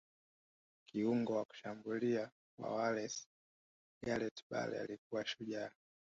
kiungo wa kushambulia wa Wales gareth bale alikuwa shujaa